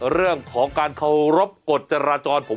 เรื่องของการเคารพกฎจราจรผม